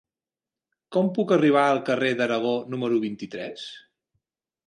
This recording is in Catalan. Com puc arribar al carrer d'Aragó número vint-i-tres?